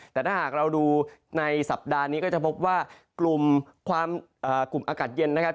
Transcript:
แต่ถ้าหากเราดูในสัปดาห์นี้ก็จะพบว่ากลุ่มอากาศเย็นนะครับ